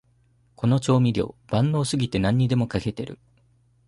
この調味料、万能すぎて何にでもかけてる